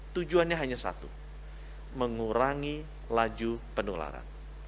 tujuannya hanya satu mengurangi laju penularan